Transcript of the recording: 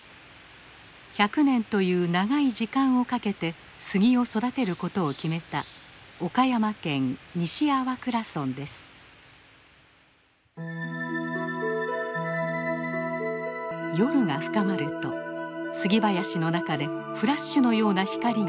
１００年という長い時間をかけて杉を育てることを決めた夜が深まると杉林の中でフラッシュのような光が瞬き始めます。